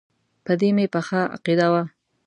په دې مې پخه عقیده وه.